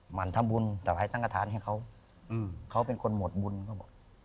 หมั่นทำบุญแต่ให้สร้างกระทานให้เขาเขาเป็นคนหมดบุญก็บอก